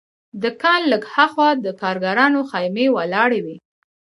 له کان لږ هاخوا د کارګرانو خیمې ولاړې وې